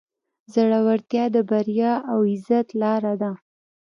زړورتیا د بریا او عزت لاره ده.